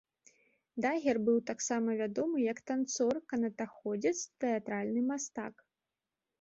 Дагер быў таксама вядомы як танцор, канатаходзец, тэатральны мастак.